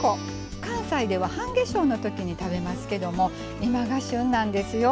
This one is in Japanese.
関西では半夏生のときに食べますけども今が旬なんですよ。